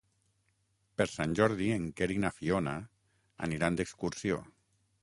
Per Sant Jordi en Quer i na Fiona aniran d'excursió.